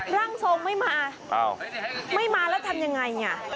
ร่างทรงไม่มาไม่มาแล้วทำอย่างไร